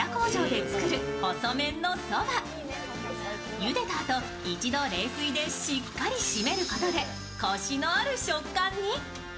ゆでたあと、一度冷水でしっかり締めることでコシのある食感に。